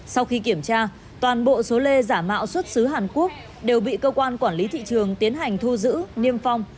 sau khi kiểm tra toàn bộ số lê giả mạo xuất xứ hàn quốc đều bị cơ quan quản lý thị trường tiến hành thu giữ niêm phong